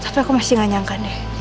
tapi aku masih gak nyangka nih